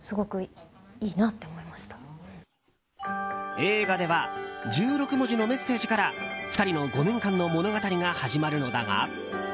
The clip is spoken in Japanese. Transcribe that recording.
映画では１６文字のメッセージから２人の５年間の物語が始まるのだが。